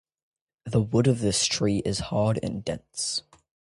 The wood of this tree is hard and dense.